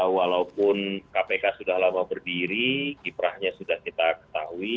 walaupun kpk sudah lama berdiri kiprahnya sudah kita ketahui